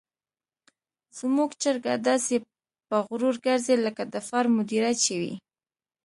زموږ چرګه داسې په غرور ګرځي لکه د فارم مدیره چې وي.